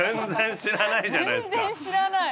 全然知らない。